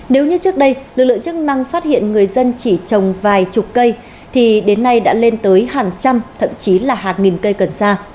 nếu như trước đây lực lượng chức năng phát hiện người dân chỉ trồng vài chục cây thì đến nay đã lên tới hàng trăm thậm chí là hàng nghìn cây cần sa